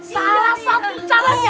salah satu caranya